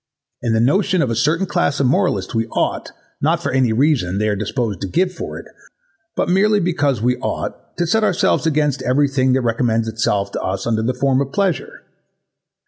In the notions of a certain class of moralists we ought, not for any reason they are disposed to give for it, but merely because we ought, to set ourselves against every thing that recommends itself to us under the form of pleasure.